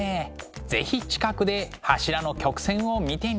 是非近くで柱の曲線を見てみたい！